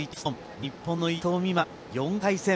日本の伊藤美誠、４回戦。